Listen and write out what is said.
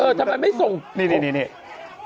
เออทำไมไม่ส่งมามุหกล้อมาก